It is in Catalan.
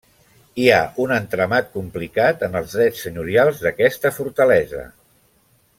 Hi ha un entramat complicat en els drets senyorials d'aquesta fortalesa.